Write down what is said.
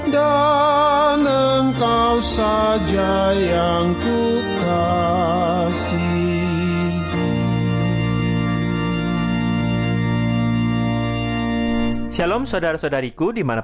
dan engkau saja yang ku kasihi